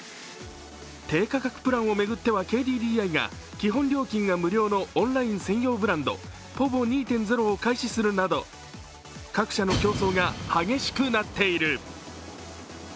低価格プランを巡ってはＫＤＤＩは基本料金が無料のオンライン専用ブランド、ｐｏｖｏ２．０を開始するなど、各社の競争が激しくなっている。